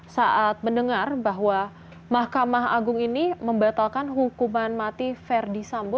saat mendengar bahwa mahkamah agung ini membatalkan hukuman mati verdi sambo